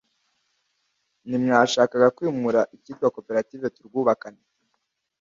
Ntimwashakaga kwimura icyitwa koperative Turwubakane